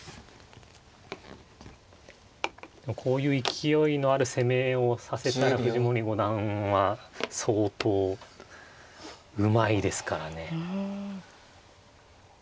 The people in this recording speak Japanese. こういう勢いのある攻めをさせたら藤森五段は相当うまいですからね。